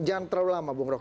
jangan terlalu lama bung roky